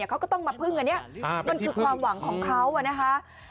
เขาก็ต้องมาพึ่งอันนี้มันคือความหวังของเขานะคะ